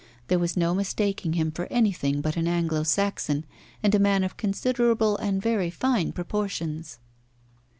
There was no mistaking him for anything but an Anglo Saxon, and a man of considerable and very fine proportions.